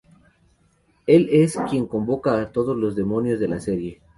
Él es quien convoca a todos los demonios de la serie.